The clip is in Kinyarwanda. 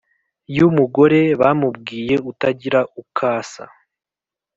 yumugore bamubwiye utagira ukasa